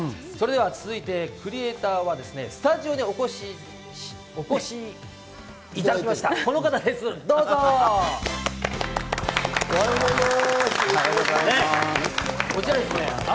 続いてクリエイターはスタジオにお越しいただいています。